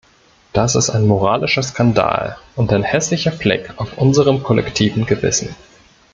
Das ist ein moralischer Skandal und ein hässlicher Fleck auf unserem kollektiven Gewissen."